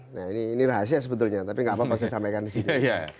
nah ini rahasia sebetulnya tapi gak apa apa saya sampaikan di sini